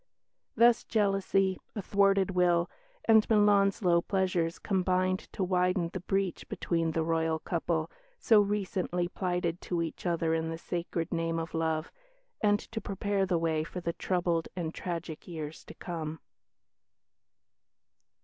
Thus jealousy, a thwarted will, and Milan's low pleasures combined to widen the breach between the Royal couple, so recently plighted to each other in the sacred name of love, and to prepare the way for the troubled and tragic years to come.